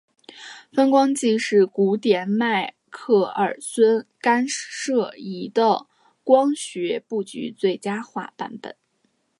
分光计是古典迈克耳孙干涉仪的光学布局最佳化版本。